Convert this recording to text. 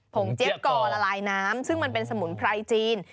งเจี๊ยบกอละลายน้ำซึ่งมันเป็นสมุนไพรจีน